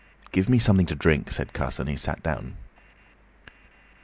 "Give me something to drink," said Cuss, and he sat down.